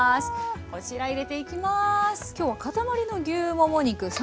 こちら入れていきます。